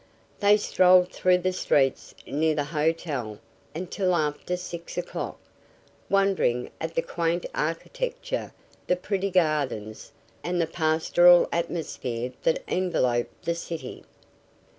They strolled through the streets near the hotel until after six o'clock, wondering at the quaint architecture, the pretty gardens and the pastoral atmosphere that enveloped the city.